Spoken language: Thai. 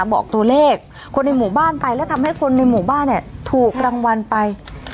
บอกตัวเลขคนในหมู่บ้านไปแล้วทำให้คนในหมู่บ้านเนี่ยถูกรางวัลไป